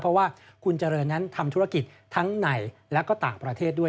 เพราะว่าคุณเจริญนั้นทำธุรกิจทั้งในและก็ต่างประเทศด้วย